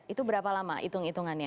itu berapa lama hitung hitungannya